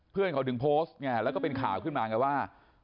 เพื่อนเขาถึงโพสต์ไงแล้วก็เป็นข่าวขึ้นมาไงว่า